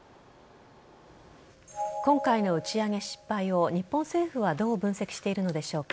今回の打ち上げ失敗を日本政府はどう分析しているのでしょうか。